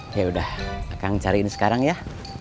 yaudah kang cariin sekarang ya